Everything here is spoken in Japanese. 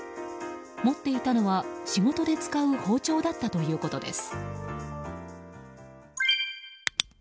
持っていたのは、仕事で使う包丁だったということです。